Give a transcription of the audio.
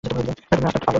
তুমি আস্ত পাগল।